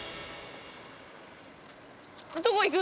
どこ行く？